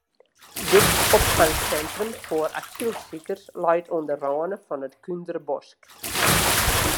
Dit opfangsintrum foar asylsikers leit oan de râne fan it Kúnderbosk.